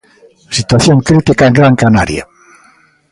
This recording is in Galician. Situación crítica en Gran Canaria.